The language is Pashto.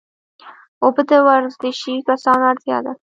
اوبه د ورزشي کسانو اړتیا ده